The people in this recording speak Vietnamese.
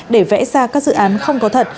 để vẽ ra các dự án không có thật